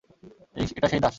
এটা সেই দাস!